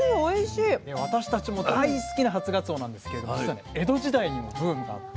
私たちも大好きな初がつおなんですけれども実はね江戸時代にもブームがあって。